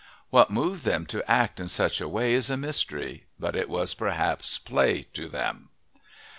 What moved them to act in such a way is a mystery, but it was perhaps play to them.